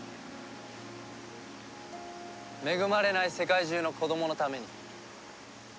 恵まれない世界中の子供のために。